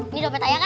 ini dompet ayah kan